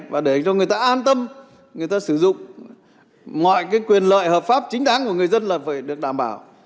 và để cho người ta an tâm người ta sử dụng mọi quyền lợi hợp pháp chính đáng của người dân là phải được đảm bảo